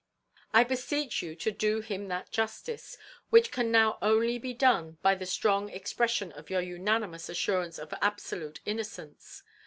I beseech you to do him that justice, which can now only be done by the strong expression of your unanimous assurance of absolute innocence.